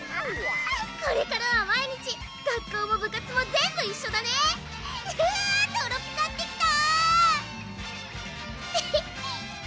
これからは毎日学校も部活も全部一緒だねうぅトロピカってきた！